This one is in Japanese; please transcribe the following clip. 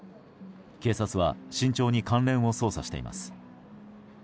警察は慎重に関連を捜査しています。